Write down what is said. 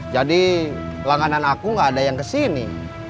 jadi langganan aku gak ada yang kesini